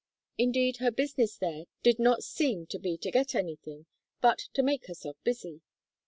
Indeed, her business there did not seem to be to get anything, but to make herself busy.